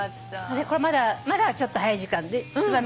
まだちょっと早い時間で。